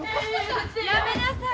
やめなさい。